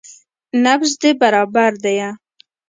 نبض دې برابر ديه.